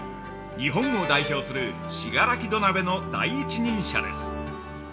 日本を代表する信楽土鍋の第一人者です。